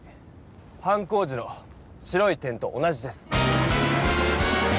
犯行時の白い点と同じです。